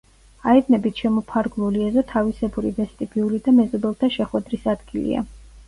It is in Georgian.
აივნებით შემოფარგლული ეზო თავისებური ვესტიბიული და მეზობელთა შეხვედრის ადგილია.